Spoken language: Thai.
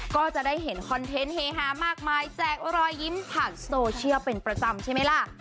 ก็จะได้เห็นคอนเทนต์เฮฮามากมายแจกรอยยิ้มผ่านโซเชียลเป็นประจำใช่ไหมล่ะ